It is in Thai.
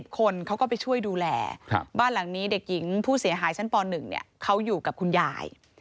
คนเขาก็ไปช่วยดูแลบ้านหลังนี้เด็กหญิงผู้เสียหายชั้นป๑เขาอยู่กับคุณยาย